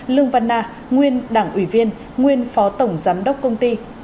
lương văn na nguyên đảng ủy viên nguyên phó tổng giám đốc công ty